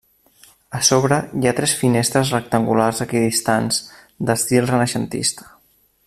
A sobre hi ha tres finestres rectangulars equidistants d'estil renaixentista.